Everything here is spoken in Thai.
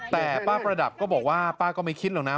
แต่ป้าประดับก็บอกว่าป้าก็ไม่คิดหรอกนะ